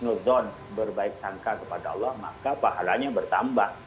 kalau kita sudah berbaik sangka kepada allah maka pahalanya bertambah